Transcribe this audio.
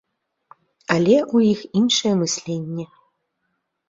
Але ў іх іншае мысленне.